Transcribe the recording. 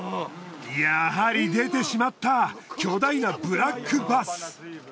やはり出てしまった巨大なブラックバス。